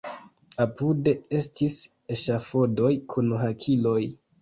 Apude estis eŝafodoj kun hakiloj.